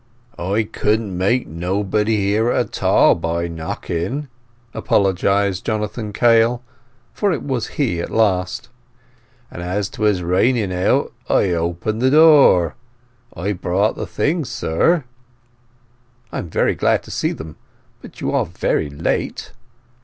"I couldn' make nobody hear at all by knocking," apologized Jonathan Kail, for it was he at last; "and as't was raining out I opened the door. I've brought the things, sir." "I am very glad to see them. But you are very late."